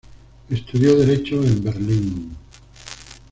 Estudió derecho en Berlín.